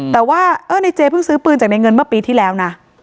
แต่ว่าในเจเพิ่งซื้อปืนจากในเงินเมื่อปีที่แล้วนะ